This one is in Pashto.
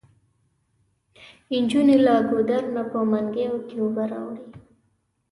انجونې له ګودر نه په منګيو کې اوبه راوړي.